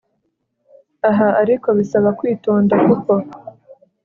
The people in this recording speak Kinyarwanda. aha ariko bisaba kwitonda kuko